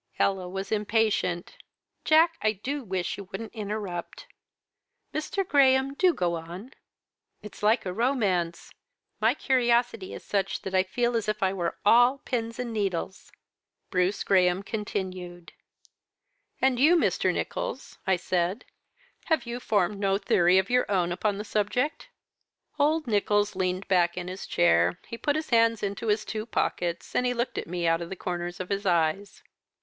Ella was impatient. "Jack, I do wish you wouldn't interrupt. Mr. Graham, do go on. It's like a romance. My curiosity is such that I feel as if I were all pins and needles." Bruce Graham continued. "'And you, Mr. Nicholls,' I said, 'have you formed no theory of your own upon the subject?' "Old Nicholls leaned back in his chair. He put his hands into his two pockets, and he looked at me out of the corners of his eyes.